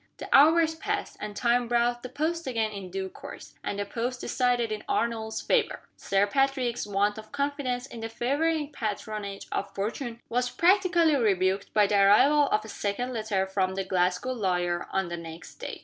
The hours passed, and time brought the post again in due course and the post decided in Arnold's favor! Sir Patrick's want of confidence in the favoring patronage of Fortune was practically rebuked by the arrival of a second letter from the Glasgow lawyer on the next day.